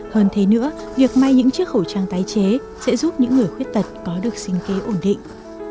hơn thế nữa việc may những chiếc khẩu trang tái chế sẽ giúp những người khuyết tật có được sinh kế ổn định